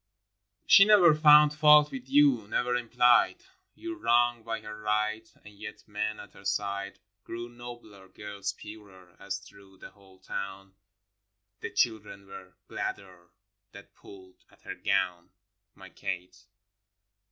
25 v. She never found fault with you, never implied Your wrong by her right; and yet men at her side Grew nobler, girls purer, as through the whole town The children were gladder that pulled at her gown — My Kate.